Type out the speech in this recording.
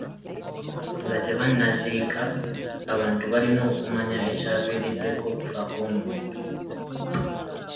Nga tebannaziika, abantu balina okumanya ekyaviiriddeko okufa kw'omuntu.